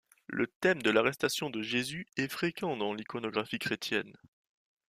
Le thème de l'arrestation de Jésus est fréquent dans l'iconographie chrétienne.